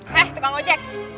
hei tukang ojek